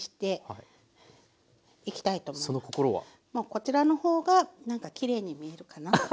こちらの方がなんかきれいに見えるかなと。